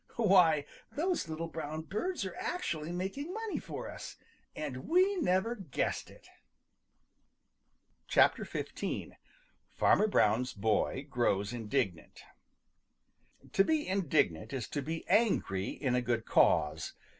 Why, those little brown birds are actually making money for us, and we never guessed it!" XV. FARMER BROWN'S BOY GROWS INDIGNANT |TO be indignant is to be angry in a good cause.